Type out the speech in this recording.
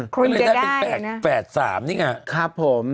คุณจะได้นะแฝด๓นี่ไงครับผม